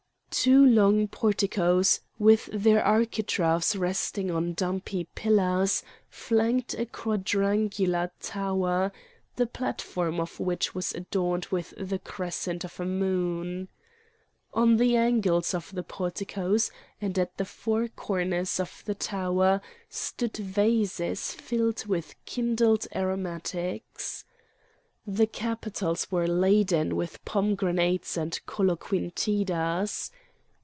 Two long porticoes, with their architraves resting on dumpy pillars, flanked a quadrangular tower, the platform of which was adorned with the crescent of a moon. On the angles of the porticoes and at the four corners of the tower stood vases filled with kindled aromatics. The capitals were laden with pomegranates and coloquintidas.